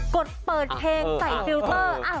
ดเปิดเพลงใส่ฟิลเตอร์